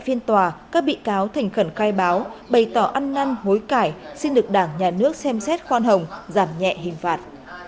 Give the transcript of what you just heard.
phần khai báo bày tỏ ăn năn hối cải xin được đảng nhà nước xem xét khoan hồng giảm nhẹ hình phạt